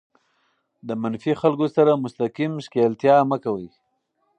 د منفي خلکو سره مستقیم ښکېلتیا مه کوئ.